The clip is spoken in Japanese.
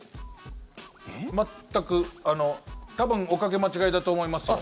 全く多分おかけ間違いだと思いますけど。